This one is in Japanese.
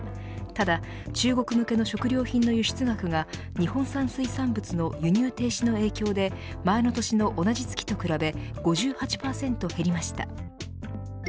ただ中国向けの食料品の輸出額が日本産水産物の輸入停止の影響で前の年の同じ月と比べ５８％減りました。